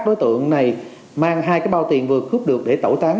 đối tượng này mang hai cái bao tiền vừa cướp được để tẩu tán